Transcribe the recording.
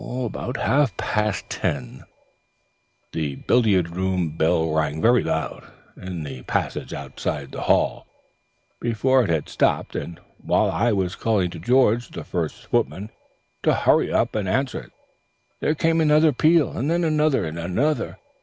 "About half past ten the billiard room bell rang very loud, in the passage outside the hall. Before it had stopped, and while I was calling to George, the first footman, to hurry up and answer it, there came another peal, and then another and another.